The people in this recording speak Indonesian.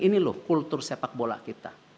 ini loh kultur sepak bola kita